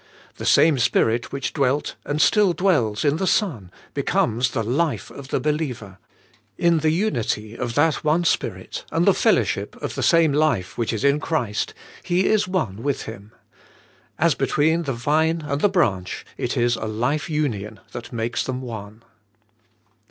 ' The same Spirit which dwelt and still dwells in the Son, becomes the life of the believer; in the unity of that one Spirit, and the fellowship of the same life which is in Christ, he is one with Him. As between the vine and branch, it is a life union that makes them one.